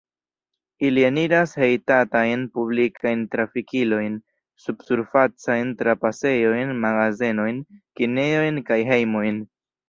Ili eniras hejtatajn publikajn trafikilojn, subsurfacajn trapasejojn, magazenojn, kinejojn kaj hejmojn.